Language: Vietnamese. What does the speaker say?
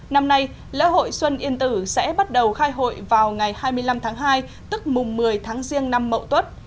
năm nay lễ hội xuân yên tử sẽ bắt đầu khai hội vào ngày hai mươi năm tháng hai tức mùng một mươi tháng riêng năm mậu tuất